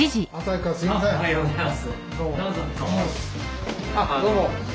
どうも。